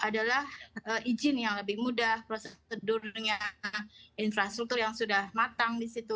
adalah izin yang lebih mudah prosedurnya infrastruktur yang sudah matang di situ